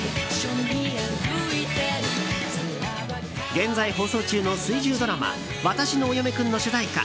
現在放送中の水１０ドラマ「わたしのお嫁くん」の主題歌。